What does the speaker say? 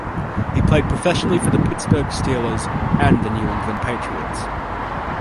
He played professionally for the Pittsburgh Steelers and the New England Patriots.